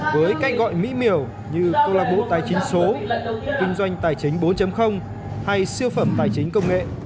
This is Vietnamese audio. với cách gọi mỹ miều như câu lạc bộ tài chính số kinh doanh tài chính bốn hay siêu phẩm tài chính công nghệ